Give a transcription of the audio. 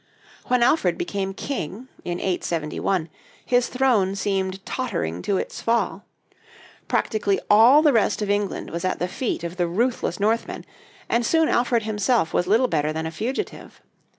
When Alfred became king, in 871, his throne seemed tottering to its fall. Practically all the rest of England was at the feet of the ruthless Northmen, and soon Alfred himself was little better than a fugitive.